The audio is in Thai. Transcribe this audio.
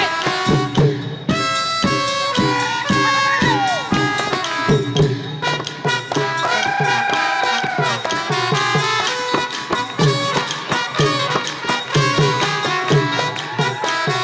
ขอเชิญน้องแก้วมารับหัวโตหัวโตหัวโตหัวโตสุพันธ์มาแล้ว